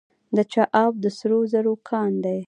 د چاه اب د سرو زرو کان دی